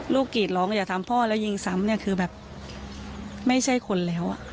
กรีดร้องอย่าทำพ่อแล้วยิงซ้ำเนี่ยคือแบบไม่ใช่คนแล้ว